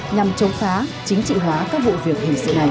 nhằm chống phá chính trị hóa các vụ việc hình sự này